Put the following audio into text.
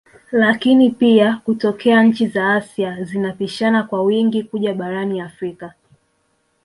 Lakini pia kutokea nchi za Asia zinapishana kwa wingi kuja barani Afrika